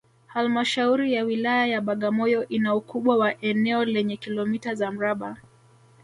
Halmashauri ya Wilaya ya Bagamoyo ina ukubwa wa eneo lenye kilometa za mraba